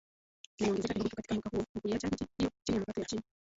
Limeongezeka kidogo tu katika mwaka huo, na kuiacha nchi hiyo chini ya mapato ya chini